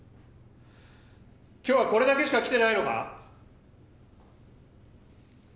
今日はこれだけしか来てないのか？